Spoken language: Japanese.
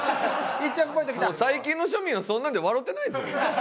最近の庶民はそんなんで笑うてないぞ。